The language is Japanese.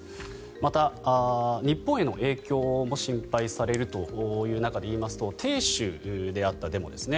また、日本への影響も心配されるという中でいいますと鄭州であったデモですね。